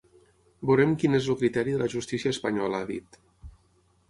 Veurem quin és el criteri de la justícia espanyola, ha dit.